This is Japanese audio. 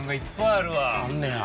あんねや！